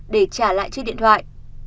để trả lại chiếc điện thoại